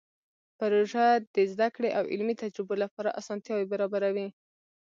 پروژه د زده کړې او علمي تجربو لپاره اسانتیاوې برابروي.